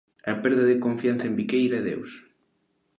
A perda de confianza en Viqueira e Deus.